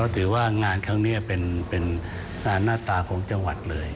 ถือว่างานครั้งนี้เป็นงานหน้าตาของจังหวัดเลย